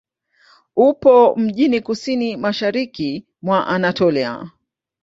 Upo mjini kusini-mashariki mwa Anatolia.